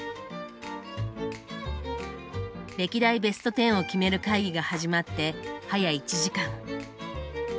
歴代ベスト１０を決める会議が始まって早１時間。